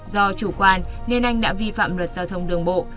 do chủ quan nên anh đã vi phạm luật giao thông đường bộ